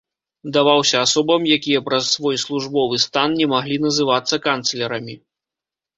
Даваўся асобам, якія праз свой службовы стан не маглі называцца канцлерамі.